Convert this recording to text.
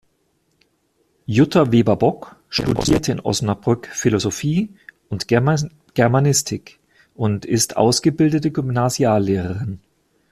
Jutta Weber-Bock studierte in Osnabrück Philosophie und Germanistik und ist ausgebildete Gymnasiallehrerin.